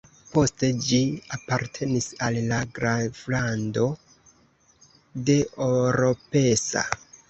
Poste ĝi apartenis al la graflando de Oropesa.